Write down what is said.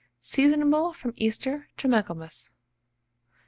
Seasonable from Easter to Michaelmas.